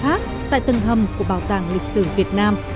ngoài phát tại tầng hầm của bảo tàng lịch sử việt nam